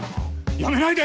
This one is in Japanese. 辞めないで！